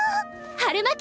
春巻き！